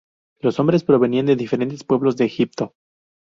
Los hombres provenían de diferentes pueblos de Egipto.